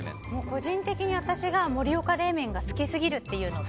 個人的に私が盛岡冷麺が好きすぎるというのと。